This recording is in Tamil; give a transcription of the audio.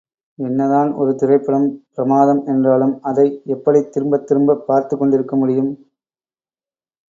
என்னதான் ஒரு திரைப்படம் பிரமாதம் என்றாலும் அதை எப்படித் திரும்பத் திரும்பப் பார்த்துக் கொண்டிருக்க முடியும்.